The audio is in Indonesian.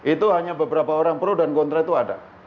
itu hanya beberapa orang pro dan kontra itu ada